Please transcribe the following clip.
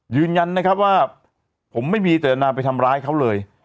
ยืนยันนะครับว่าผมไม่มีเจตนาไปทำร้ายเขาเลย